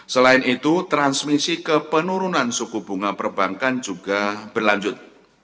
selain itu transmisi ke penurunan suku bunga perbankan juga berlanjut